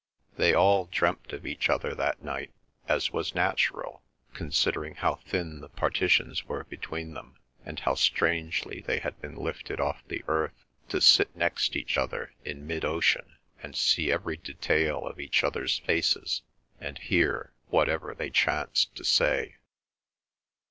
They all dreamt of each other that night, as was natural, considering how thin the partitions were between them, and how strangely they had been lifted off the earth to sit next each other in mid ocean, and see every detail of each other's faces, and hear whatever they chanced to say.